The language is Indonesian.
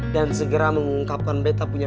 dan segera mengungkapkan bete punya